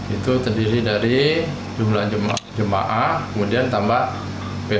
itu terdiri dari jumlah jemaah kemudian tambah phd dan kpiu